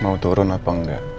mau turun apa enggak